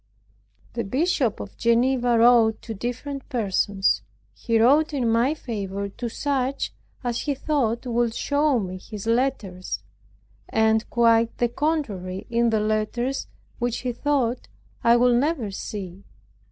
The Bishop of Geneva wrote to different persons. He wrote in my favor to such as he thought would show me his letters, and quite the contrary in the letters which he thought I would never see.